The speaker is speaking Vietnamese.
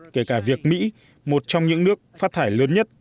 kể cả việc mỹ một trong những nước phát thải lớn nhất